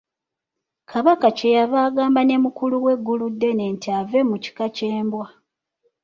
Kabaka kye yava agamba ne mukulu we Gguluddene nti ave mu kika ky'embwa.